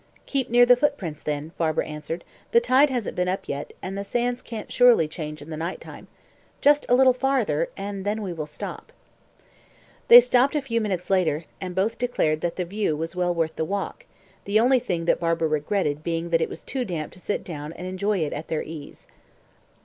"Keep near the footprints then," Barbara answered. "The tide hasn't been up yet, and the sands can't surely change in the night time. Just a little farther, and then we will stop." They stopped a few minutes later, and both declared that the view was well worth the walk, the only thing that Barbara regretted being that it was too damp to sit down and enjoy it at their ease.